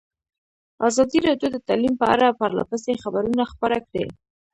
ازادي راډیو د تعلیم په اړه پرله پسې خبرونه خپاره کړي.